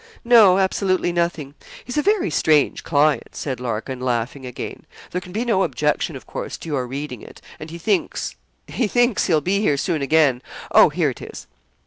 'No; absolutely nothing he's a very strange client!' said Larkin, laughing again. 'There can be no objection, of course, to your reading it; and he thinks he thinks he'll be here soon again oh, here it is.'